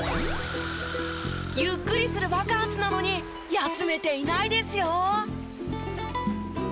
ゆっくりするバカンスなのに休めていないですよ。